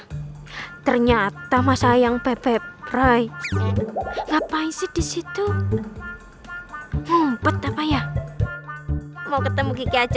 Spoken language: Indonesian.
yuk ala ternyata masa yang pepe prai ngapain sih disitu mumpet apa ya mau ketemu gede aja